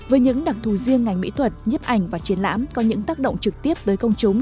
với những đặc thù riêng ngành mỹ thuật nhếp ảnh và triển lãm có những tác động trực tiếp tới công chúng